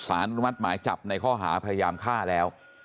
อนุมัติหมายจับในข้อหาพยายามฆ่าแล้ว